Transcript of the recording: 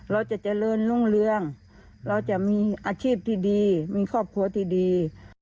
เราจะเจริญรุ่งเรืองเราจะมีอาชีพที่ดีมีครอบครัวที่ดี